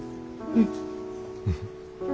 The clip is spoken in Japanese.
うん。